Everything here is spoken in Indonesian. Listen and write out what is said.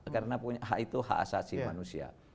karena hak itu hak asasi manusia